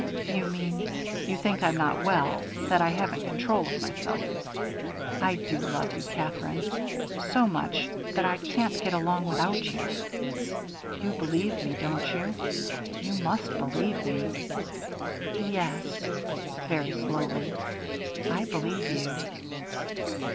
"You mean you think I'm not well, that I haven't control of myself I do love you, Katherine, so much that I can't get along without you. You believe me, don't you? You must believe me!" "Yes," very slowly, "I believe you."